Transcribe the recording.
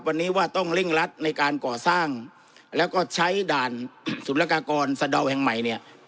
วันนี้ว่าต้องเร่งรัดในการก่อสร้างแล้วก็ใช้ด่านสุรกากรสะดาวแห่งใหม่เนี่ย